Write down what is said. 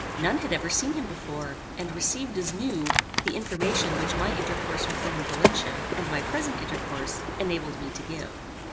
None had ever seen him before, and received as new, the information which my intercourse with him in Valencia, and my present intercourse, enabled me to give.